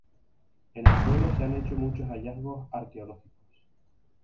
En el pueblo se han hecho muchos hallazgos arqueológicos.